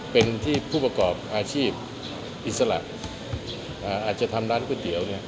เป็นที่ผู้ประกอบอาชีพอิสระอาจจะทำร้านก๋วยเตี๋ยวเนี่ย